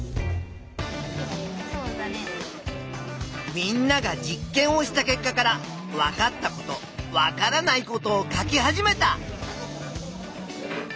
みんなが実験をした結果からわかったことわからないことを書き始めた。